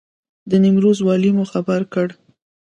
د نیمروز والي مو خبر کړ.